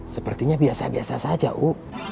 sepertinya biasa biasa saja u